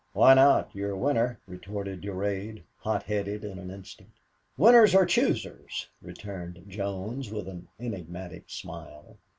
"Why not? You're winner," retorted Durade, hot headed in an instant. "Winners are choosers," returned Jones, with an enigmatic smile.